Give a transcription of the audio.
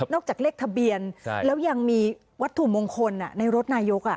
จากเลขทะเบียนแล้วยังมีวัตถุมงคลในรถนายก